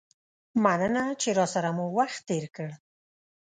مننه چې راسره مو وخت تیر کړ.